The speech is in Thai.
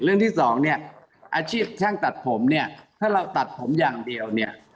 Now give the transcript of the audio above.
เรื่องที่สองอาชีพช่างตัดผมถ้าเราตัดผมอย่างเดียว